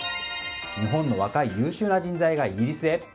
日本の若い優秀な人材がイギリスへ？